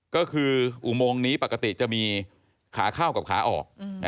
ก็คืออุโมงนี้ปกติจะมีขาเข้ากับขาออก